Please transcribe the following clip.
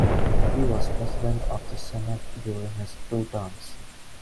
He was president of the senate during his two terms.